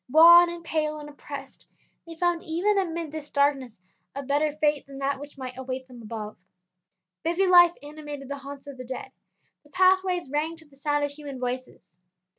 Wan and pale and oppressed, they found even amid this darkness a better fate than that which might await them above. Busy life animated the haunts of the dead; the pathways rang to the sound of human voices.